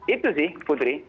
itu sih putri